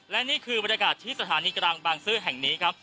และนี่คือบรรยากาศที่สถานีกลางบางซื่อแห่งนี้ครับ